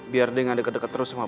biar dia gak deket dua terus sama boy